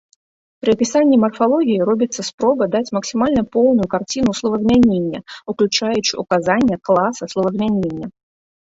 Пры апісанні марфалогіі робіцца спроба даць максімальна поўную карціну словазмянення, уключаючы ўказанне класа словазмянення.